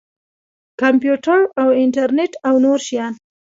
کمپیوټر او انټرنټ او نور شیان.